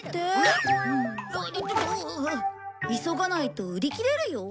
急がないと売り切れるよ。